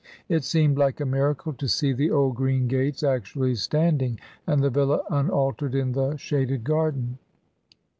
It seemed like a miracle to see the old green gates actually stand ing, and the villa unaltered in the shaded garden.